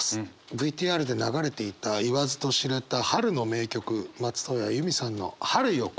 ＶＴＲで流れていた言わずと知れた春の名曲松任谷由実さんの「春よ、来い」。